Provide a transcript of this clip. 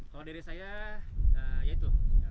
kalau dari saya ya itu